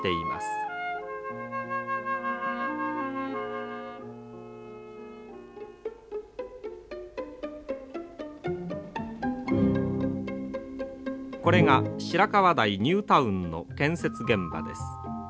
これが白川台ニュータウンの建設現場です。